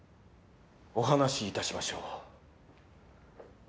お話しいたしましょう。